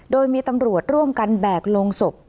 โดยมีตำรวจร่วมกันแบกลงศพ